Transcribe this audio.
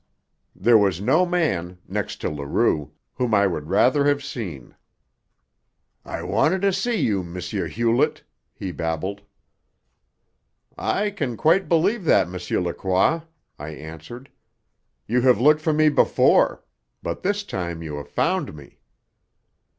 There was no man, next to Leroux, whom I would rather have seen. "I wanted to see you, M. Hewlett," he babbled. "I can quite believe that, M. Lacroix," I answered. "You have looked for me before. But this time you have found me."